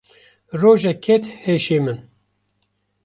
rojek ket heşê min.